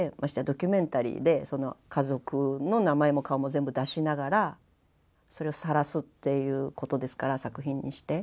ドキュメンタリーで家族の名前も顔も全部出しながらそれを晒すっていうことですから作品にして。